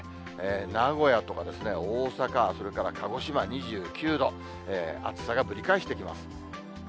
名古屋とか、大阪、それから鹿児島２９度、暑さがぶり返してきます。